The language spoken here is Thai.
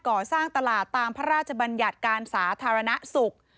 ก่อสร้างตลาดตามพระราชบัญญัติการสาธารณสุข